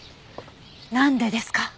なんでですか？